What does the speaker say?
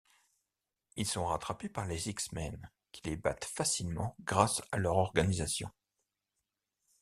Ils sont rattrapés par les X-Men, qui les battent facilement grâce à leur organisation.